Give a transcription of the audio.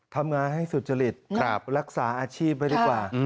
ทำงานให้สุจริตรักษาอาชีพไว้ดีกว่า